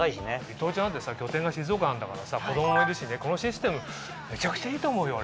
伊藤ちゃんなんてさ拠点が静岡なんだから子供もいるしねこのシステムめちゃくちゃいいと思うよ俺は。